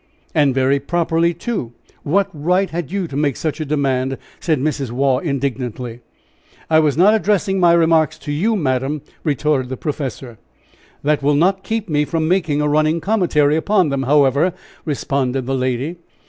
"And very properly, too. What right had you to make such a 'demand?'" said Mrs. Waugh, indignantly. "I was not addressing my remarks to you, madam," retorted the professor. "That will not keep me from making a running commentary upon them, however," responded the lady.